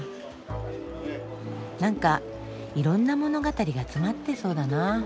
なんかいろんな物語が詰まってそうだな